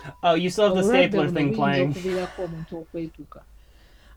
Obulwadde buno buyinza okuviirako omuntu okwetuga.